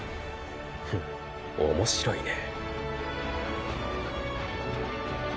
フッ面白いね。